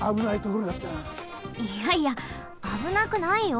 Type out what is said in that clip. いやいやあぶなくないよ。